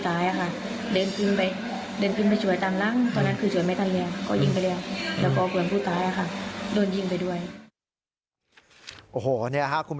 ตอนนั้นคนเยอะไหม